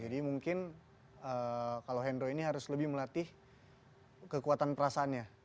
jadi mungkin kalau hendro ini harus lebih melatih kekuatan perasaannya